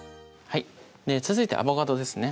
続いてアボカドですね